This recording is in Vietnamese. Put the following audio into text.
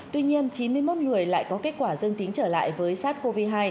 tuy nhiên chín mươi một người lại có kết quả dương tính trở lại với sars cov hai